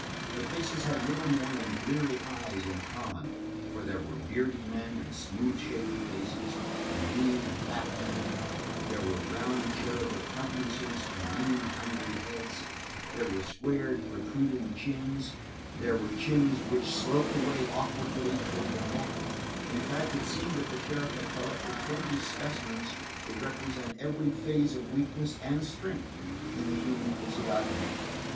The faces had little more than bleary eyes in common, for there were bearded men, and smooth shaven faces, and lean and fat men; there were round, cherubic countenances, and lean, hungry heads; there were squared, protruding chins, and there were chins which sloped away awkwardly toward the neck; in fact it seemed that the sheriff had collected twenty specimens to represent every phase of weakness and strength in the human physiognomy.